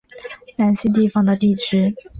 南信地方的地区。